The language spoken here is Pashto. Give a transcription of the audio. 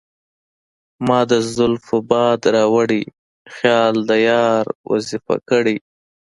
مــــــا د زلفو باد راوړی خیــــــال د یار وظیفه کـــــړی